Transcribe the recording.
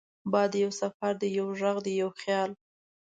باد یو سفر دی، یو غږ دی، یو خیال